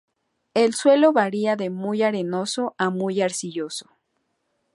El suelo varía de muy arenoso a muy arcilloso.